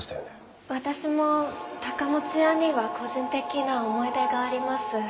私も高持屋には個人的な思い出があります。